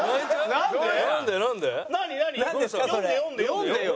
読んでよ。